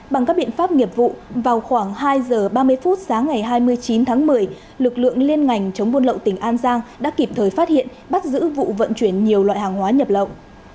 bằng các biện pháp nghiệp vụ vào khoảng hai giờ ba mươi phút sáng ngày hai mươi chín tháng một mươi lực lượng liên ngành chống buôn lậu tỉnh an giang đã kịp thời phát hiện bắt giữ vụ vận chuyển nhiều loại hàng hóa nhập lậu